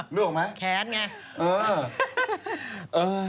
อ๋อแขนไงนึกออกไหมเออ